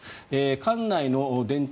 管内の電柱